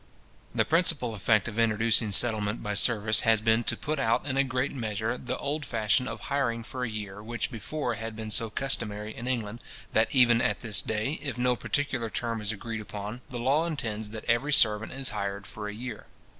The principal effect of introducing settlement by service, has been to put out in a great measure the old fashion of hiring for a year; which before had been so customary in England, that even at this day, if no particular term is agreed upon, the law intends that every servant is hired for a year.